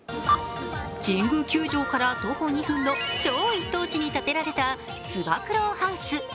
神宮球場から徒歩２分の超一等地に建てられたつば九郎ハウ巣。